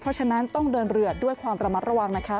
เพราะฉะนั้นต้องเดินเรือด้วยความระมัดระวังนะคะ